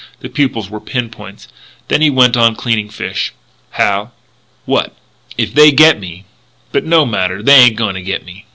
The pupils were pin points. Then he went on cleaning fish. "Hal?" "What?" "If they get me, but no matter; they ain't a going to get me."